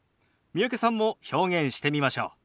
三宅さんも表現してみましょう。